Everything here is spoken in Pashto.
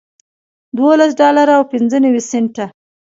دولس ډالره او پنځه نوي سنټه